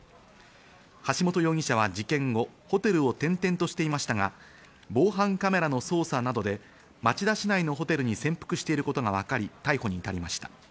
橋本容疑者は事件後、ホテルを転々としていましたが、防犯カメラの操作などで町田市内のホテルに潜伏していることがわかり逮捕に至りました。